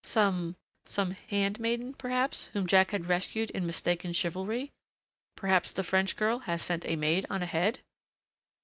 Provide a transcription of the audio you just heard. Some some hand maiden, perhaps, whom Jack had rescued in mistaken chivalry? Perhaps the French girl has sent a maid on ahead?